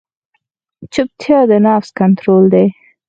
چپتیا، د نفس کنټرول دی.